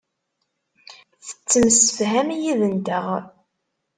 Tettemsefham yid-nteɣ.